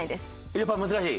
やっぱ難しい？